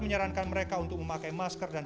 menyarankan mereka untuk memakai masker dan